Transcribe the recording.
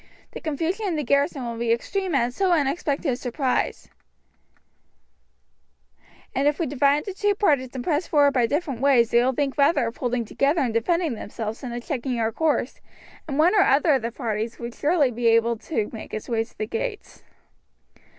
The confusion in the garrison will be extreme at so unexpected a surprise, and if we divide in two parties and press forward by different ways they will think rather of holding together and defending themselves than of checking our course, and one or other of the parties should surely be able to make its way to the gates."